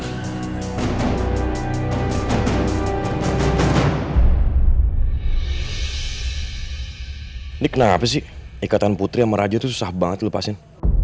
ini kenapa sih ikatan putri sama raja tuh susah banget di lepasin